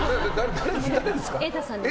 瑛太さんです。